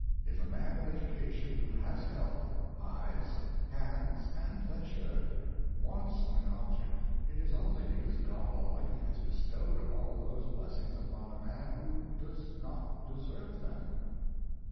If a man of education, who has health, eyes, hands, and leisure, wants an object, it is only because God Almighty has bestowed all those blessings upon a man who does not deserve them.